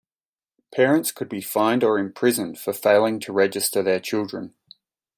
Parents could be fined or imprisoned for failing to register their children.